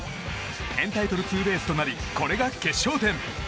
エンタイトルツーベースとなりこれが決勝点。